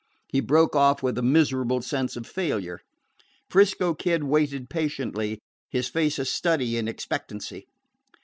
He broke off with a miserable sense of failure. 'Frisco Kid waited patiently, his face a study in expectancy.